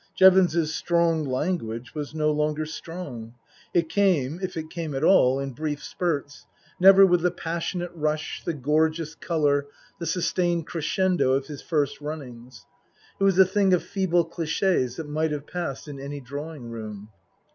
Jevons's strong language was no longer strong. It came, if it came at Book I : My Book 83 all, in brief spurts, never with the passionate rush, the gorgeous colour, the sustained crescendo of his first runnings. It was a thing of feeble cliches that might have passed in any drawing room.